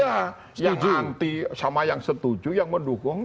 ya yang anti sama yang setuju yang mendukung